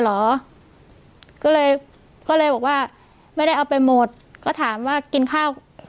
เหรอก็เลยก็เลยบอกว่าไม่ได้เอาไปหมดก็ถามว่ากินข้าว